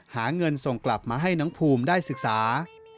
หาเงินส่งกลับมาให้น้องภูมิได้ศึกษา